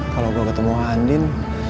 kalau gue ketemu andin